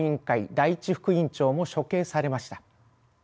第１副委員長も処刑されました。